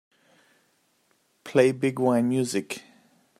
Play biguine music.